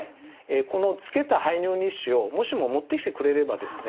このつけた排尿日誌をもしも持ってきてくれればですね